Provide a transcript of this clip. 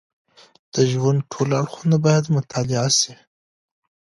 د ژوند ټول اړخونه باید مطالعه سي.